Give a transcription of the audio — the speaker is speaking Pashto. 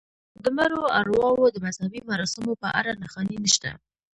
د مړو ارواوو او مذهبي مراسمو په اړه نښانې نشته.